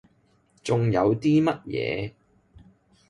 仲有啲乜嘢？